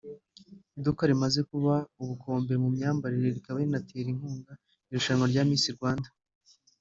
iduka rimaze kuba ubukombe mu myambarire rikaba rinatera inkunga irushanwa rya Miss Rwanda